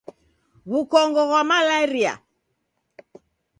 Wukongo ghwa malaria